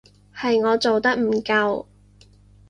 係我做得唔夠